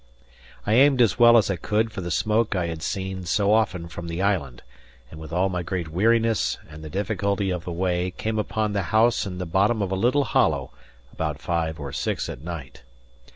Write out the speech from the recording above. I aimed as well as I could for the smoke I had seen so often from the island; and with all my great weariness and the difficulty of the way came upon the house in the bottom of a little hollow about five or six at night.